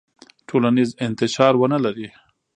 ټولنیز انتشار ونلري.